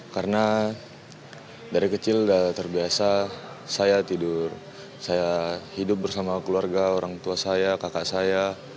karena dari kecil sudah terbiasa saya tidur saya hidup bersama keluarga orang tua saya kakak saya